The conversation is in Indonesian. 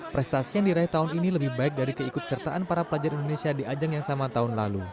prestasi yang diraih tahun ini lebih baik dari keikut sertaan para pelajar indonesia di ajang yang sama tahun lalu